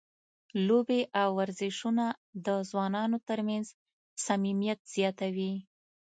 لوبې او ورزشونه د ځوانانو ترمنځ صمیمیت زیاتوي.